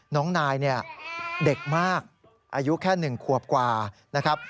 น้องนายเนี่ยเด็กมากอายุแค่๑ขวบกว่านะครับ